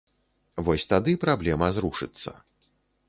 Вось тады праблема зрушыцца.